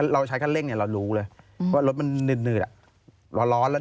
เราใช้คัดเร่งเนี่ยเรารู้เลยอืมว่ารถมันหนืดหนืดอ่ะร้อนร้อนแล้ว